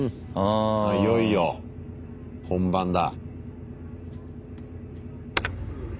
いよいよ本番だ。